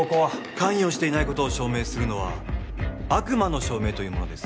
関与していないことを証明するのは悪魔の証明というものです